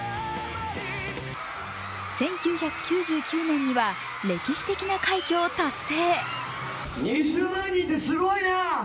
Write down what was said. １９９９年には歴史的な快挙を達成。